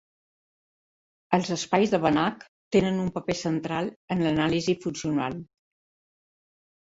Els espais de Banach tenen un paper central en l'anàlisi funcional.